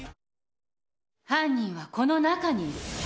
犯人はこの中にいる。